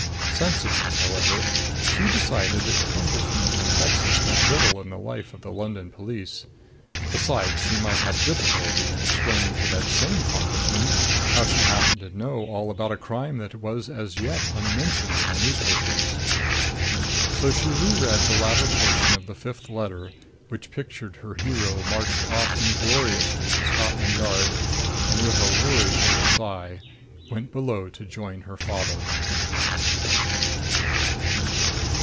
Sensibly, however, she decided that Congressmen from Texas meant little in the life of the London police. Besides, she night have difficulty in explaining to that same Congressman how she happened to know all about a crime that was as yet unmentioned in the newspapers. So she reread the latter portion of the fifth letter, which pictured her hero marched off ingloriously to Scotland Yard and with a worried little sigh, went below to join her father.